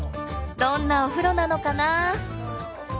どんなお風呂なのかなぁ？